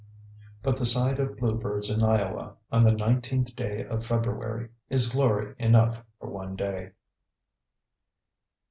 But the sight of bluebirds in Iowa on the nineteenth day of February is glory enough for one day.